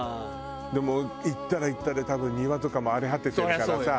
でも行ったら行ったで多分庭とかも荒れ果ててるからさ